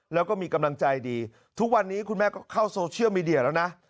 แล้วก็มีกำลังใจดีทุกวันนี้คุณแม่ก็เข้าโซเชียลมีเดียแล้วนะ